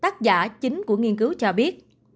tác giả chính của nghiên cứu cho biết